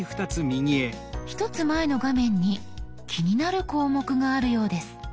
１つ前の画面に気になる項目があるようです。